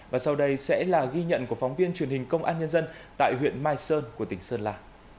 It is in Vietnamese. và sau đây sẽ là ghi nhận của phóng viên truyền hình công an nhân dân tại huyện mai sơn của tỉnh sơn la